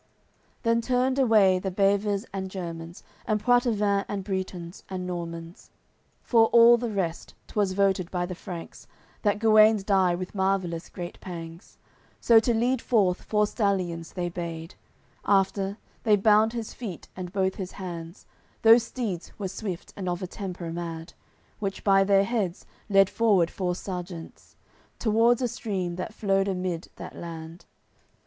AOI. CCLXXXIX Then turned away the Baivers and Germans And Poitevins and Bretons and Normans. Fore all the rest, 'twas voted by the Franks That Guenes die with marvellous great pangs; So to lead forth four stallions they bade; After, they bound his feet and both his hands; Those steeds were swift, and of a temper mad; Which, by their heads, led forward four sejeants Towards a stream that flowed amid that land.